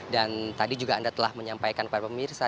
dan tadi juga anda telah menyampaikan kepada pemirsa